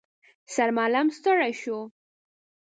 سرمعلم ستړی شو.